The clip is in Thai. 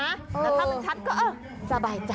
แต่ถ้ามันชัดก็เออสบายใจ